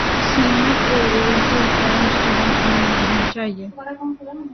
Cement کیلئے صرف limestone ہی نہیں چاہیے۔